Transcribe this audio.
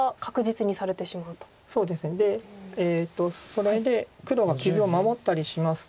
それで黒が傷を守ったりしますと。